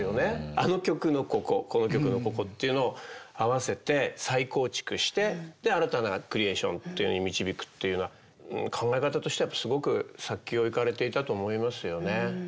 あの曲のこここの曲のここっていうのを合わせて再構築して新たなクリエーションというように導くというのは考え方としてやっぱりすごく先を行かれていたと思いますよね。